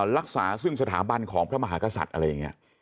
รักษาซึ่งสถาบันของพระมหากษัตริย์อะไรอย่างนี้